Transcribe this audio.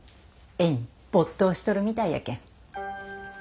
絵にぼっ頭しとるみたいやけん。